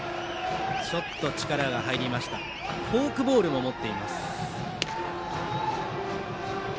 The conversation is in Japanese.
フォークボールも持っています。